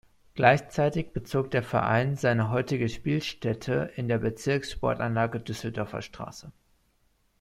Gleichzeitig bezog der Verein seine heutige Spielstätte in der Bezirkssportanlage Düsseldorfer Straße.